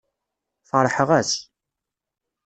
Ferḥeɣ-as.